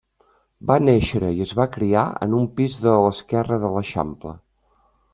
Va néixer i es va criar en un pis de l'Esquerra de l'Eixample.